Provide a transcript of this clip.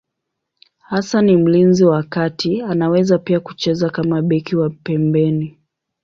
Hasa ni mlinzi wa kati, anaweza pia kucheza kama beki wa pembeni.